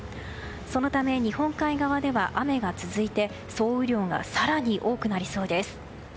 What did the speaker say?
そのため日本海側では雨が続いて総雨量が更に多くなりそうです。